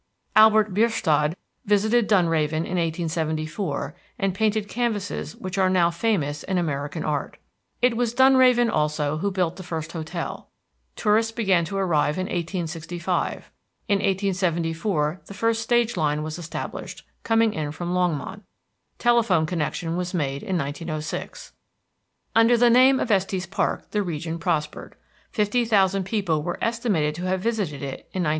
Albert Bierstadt visited Dunraven in 1874, and painted canvases which are famous in American art. It was Dunraven, also, who built the first hotel. Tourists began to arrive in 1865. In 1874 the first stage line was established, coming in from Longmont. Telephone connection was made in 1906. Under the name of Estes Park, the region prospered. Fifty thousand people were estimated to have visited it in 1914.